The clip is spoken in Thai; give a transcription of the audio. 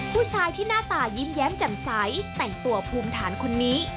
ผู้ชายที่หน้าตายิ้มแย้มแจ่มใสแต่งตัวภูมิฐานคนนี้